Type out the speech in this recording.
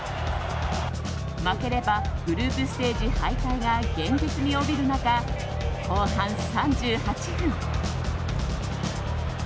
負ければグループステージ敗退が現実味を帯びる中後半３８分。